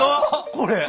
これ。